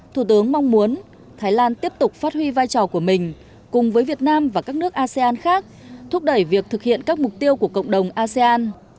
thủ tướng mong muốn thái lan tiếp tục phát huy vai trò của mình cùng với việt nam và các nước asean khác thúc đẩy việc thực hiện các mục tiêu của cộng đồng asean